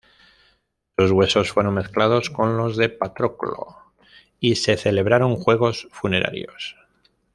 Sus huesos fueron mezclados con los de Patroclo, y se celebraron juegos funerarios.